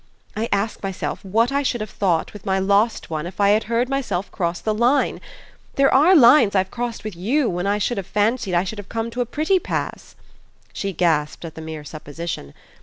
I ask myself what I should have thought with my lost one if I had heard myself cross the line. There are lines I've crossed with YOU where I should have fancied I had come to a pretty pass " She gasped at the mere supposition.